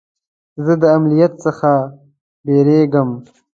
زه د عملیات څخه بیریږم.